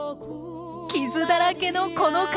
傷だらけのこの顔。